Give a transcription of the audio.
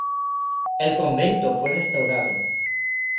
El convento fue restaurado.